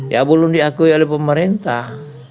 ya belum diakui oleh pemerintah